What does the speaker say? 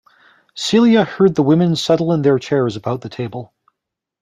Celia heard the women settle in their chairs about the table.